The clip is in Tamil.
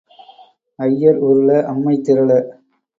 ஐயர் உருள அம்மை திரள.